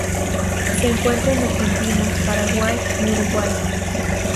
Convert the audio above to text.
Se encuentra en Argentina, Paraguay y Uruguay.